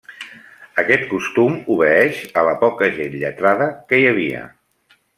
Aquest costum obeeix a la poca gent lletrada que hi havia.